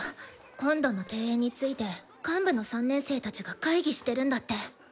今度の定演について幹部の３年生たちが会議してるんだって。